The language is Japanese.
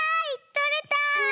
とれた！